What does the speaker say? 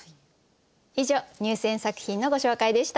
以上入選作品のご紹介でした。